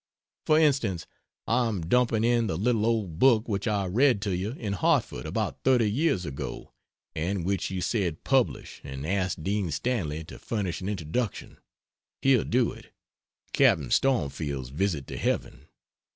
For instance, I am dumping in the little old book which I read to you in Hartford about 30 years ago and which you said "publish and ask Dean Stanley to furnish an introduction; he'll do it." ("Captain Stormfield's Visit to Heaven.")